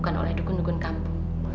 bukan oleh dukun dukun kampung